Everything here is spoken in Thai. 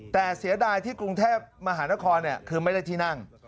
แต่เสียดายที่กรุงเทพมหานครคือไม่ได้ที่นั่ง